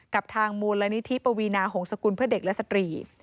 กับทางมูลนิธิปวีนาหงศกุลเพื่อเด็กและสตรี